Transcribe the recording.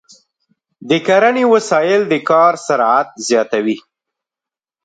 د کرنې وسایل د کار سرعت زیاتوي.